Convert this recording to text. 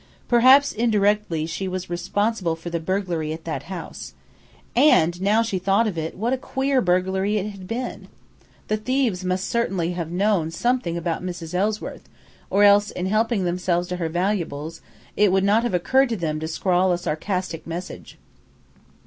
Perhaps, indirectly, she was responsible for the burglary at that house. And, now she thought of it, what a queer burglary it had been! The thieves must certainly have known something about Mrs. Ellsworth, or else, in helping themselves to her valuables, it would not have occurred to them to scrawl a sarcastic message.